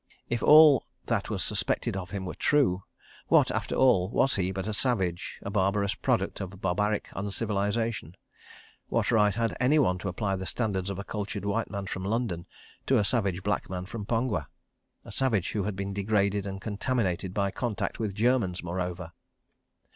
If all that was suspected of him were true, what, after all, was he but a savage, a barbarous product of barbaric uncivilisation? ... What right had anyone to apply the standards of a cultured white man from London to a savage black man from Pongwa? ... A savage who had been degraded and contaminated by contact with Germans moreover.